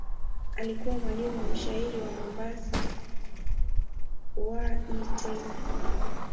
Alikuwa mwalimu wa mshairi wa Mombasa W. E. Taylor.